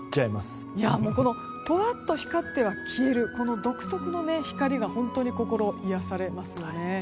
ふわっと光っては消える独特の光が心癒やされますよね。